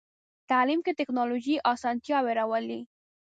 تعلیم کې ټکنالوژي اسانتیاوې راولي.